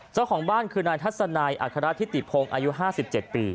เจ้าของบ้านคือนายทัศนายอาคาระที่ติดพงษ์อายุห้าสิบเจ็ดปี